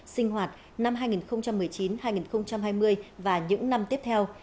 sinh hoạt năm hai nghìn một mươi chín hai nghìn hai mươi và những năm tiếp theo